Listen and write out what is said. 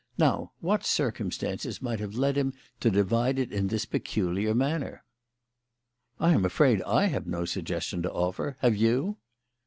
Now what circumstances might have led him to divide it in this peculiar manner?" "I am afraid I have no suggestion to offer. Have you?"